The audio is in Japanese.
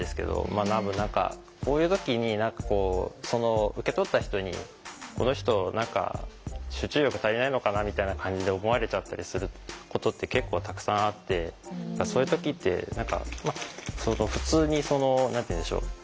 こういう時に何かこう受け取った人に「この人何か集中力足りないのかな」みたいな感じで思われちゃったりすることって結構たくさんあってそういう時って何か普通にその何て言うんでしょう